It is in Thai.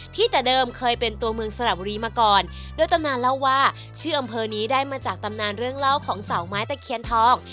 แต่เดิมเคยเป็นตัวเมืองสระบุรีมาก่อนโดยตำนานเล่าว่าชื่ออำเภอนี้ได้มาจากตำนานเรื่องเล่าของเสาไม้ตะเคียนทอง